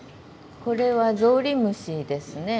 これはゾウリムシですね。